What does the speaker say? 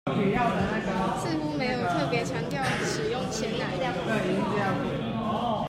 似乎沒有特別強調使用鮮奶